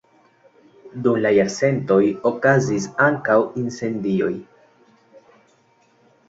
Dum la jarcentoj okazis ankaŭ incendioj.